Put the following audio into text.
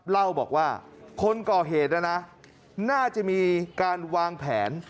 เล่าบอกว่าคนก่อเหตุนะนะน่าจะมีการวางแผน